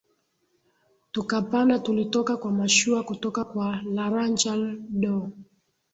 tukapandaTulitoka kwa mashua kutoka kwa Laranjal do